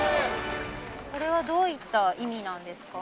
これはどういった意味なんですか？